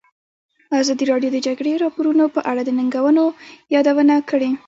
ازادي راډیو د د جګړې راپورونه په اړه د ننګونو یادونه کړې.